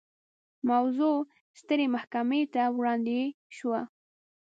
موضوع سترې محکمې ته وړاندې شوه.